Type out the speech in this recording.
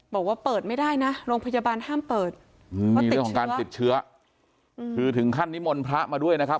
บอกว่าเปิดไม่ได้นะโรงพยาบาลห้ามเปิดเพราะติดเรื่องของการติดเชื้อคือถึงขั้นนิมนต์พระมาด้วยนะครับ